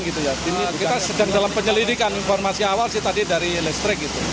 kita sedang dalam penyelidikan informasi awal dari listrik